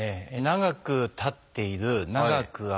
長く立っている長く歩く。